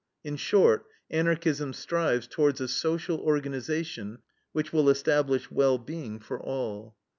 In short, Anarchism strives towards a social organization which will establish well being for all.